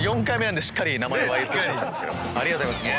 ありがとうございます。